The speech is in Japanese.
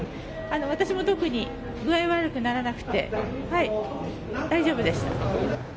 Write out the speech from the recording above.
私も特に具合は悪くならなくて大丈夫です。